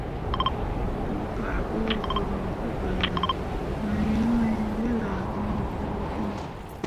Mo kah bo vǝrǝǝ te gbana mawiin mai wel ah mo wobo ɗǝne ?